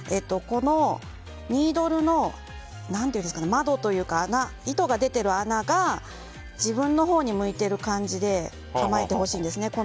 このニードルの窓というか糸が出ている穴が自分のほうに向いている感じで構えてほしいんです。